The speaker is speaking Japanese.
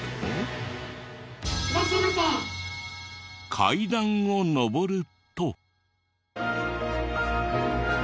階段を上ると。